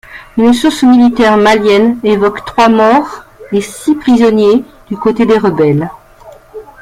Une source militaire malienne évoque trois morts et six prisonniers du côté des rebelles.